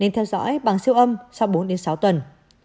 nên theo dõi bằng siêu âm sau bốn sáu tuần